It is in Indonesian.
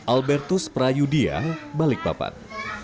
albertus prayudia balikpapan